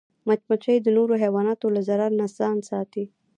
مچمچۍ د نورو حیواناتو له ضرر نه ځان ساتي